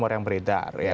rumor yang beredar